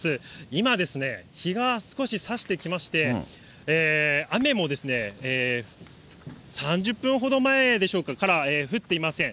今ですね、日が少しさしてきまして、雨も３０分ほど前でしょうか、から降っていません。